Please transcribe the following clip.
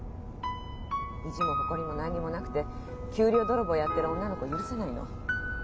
意地も誇りも何にもなくて給料泥棒やってる女の子許せないの。